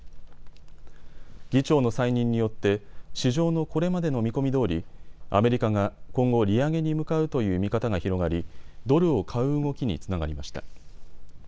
議長の再任によって市場のこれまでの見込みどおりアメリカが今後、利上げに向かうという見方が広がりドルを買う動きにつながりました。